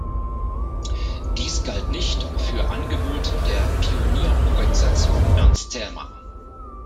Dies galt nicht für Angebot der Pionierorganisation Ernst Thälmann.